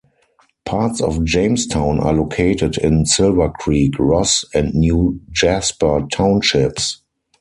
Parts of Jamestown are located in Silvercreek, Ross, and New Jasper Townships.